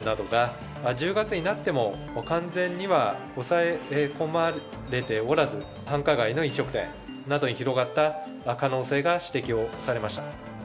８月の感染拡大期に起こった集団感染などが、１０月になっても完全には抑え込まれておらず、繁華街の飲食店などに広がった可能性が指摘をされました。